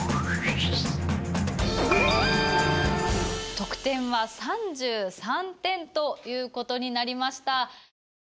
得点は３３点ということになりました。